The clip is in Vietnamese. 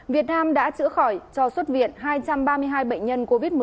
việt nam đã chữa khỏi cho xuất viện hai trăm ba mươi hai bệnh nhân covid một mươi chín